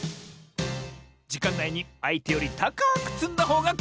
じかんないにあいてよりたかくつんだほうがかちサボよ！